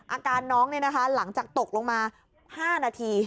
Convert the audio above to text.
อาการน้องหลังจากตกลงมา๕นาที